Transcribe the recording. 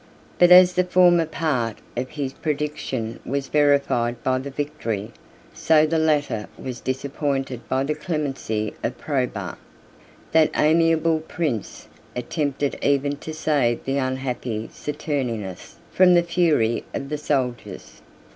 51 But as the former part of his prediction was verified by the victory, so the latter was disappointed by the clemency, of Probus. That amiable prince attempted even to save the unhappy Saturninus from the fury of the soldiers.